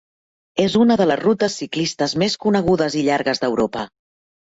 És una de les rutes ciclistes més conegudes i llargues d'Europa.